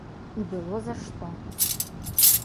І было за што.